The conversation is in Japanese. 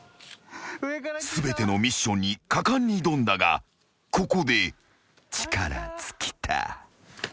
［全てのミッションに果敢に挑んだがここで力尽きた］